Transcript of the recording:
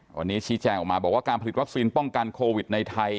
วันนี้ชี้แจงออกมาบอกว่าการผลิตวัคซีนป้องกันโควิดในไทย